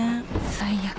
最悪。